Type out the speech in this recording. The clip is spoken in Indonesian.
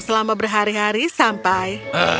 selama berhari hari sampai